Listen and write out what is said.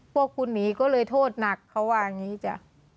พวกคุณหนีก็เลยโทษหนักเขาว่าอย่างนี้จ้ะ